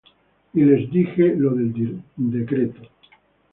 Y les dije lo del decreto.